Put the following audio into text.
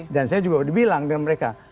dan saya juga sudah bilang dengan mereka